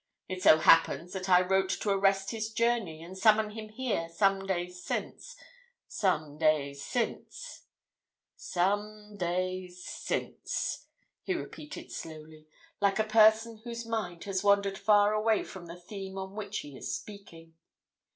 It so happens that I wrote to arrest his journey, and summon him here, some days since some days since some days since,' he repeated slowly, like a person whose mind has wandered far away from the theme on which he is speaking.